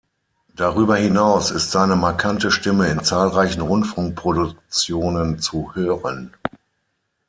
Darüber hinaus ist seine markante Stimme in zahlreichen Rundfunkproduktionen zu hören.